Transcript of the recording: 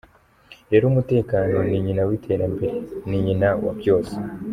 Rero umutekano ni nyina w’iterambere; ni nyina wa byose.